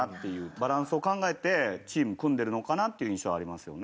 バランスを考えてチーム組んでるのかなっていう印象ありますよね。